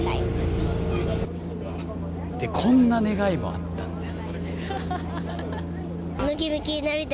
こんな願いもあったんです。